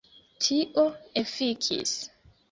Tio efikis.